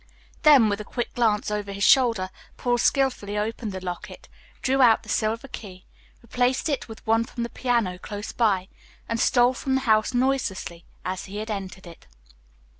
Then, with a quick glance over his shoulder, Paul skillfully opened the locket, drew out the silver key, replaced it with one from the piano close by, and stole from the house noiselessly as he had entered it.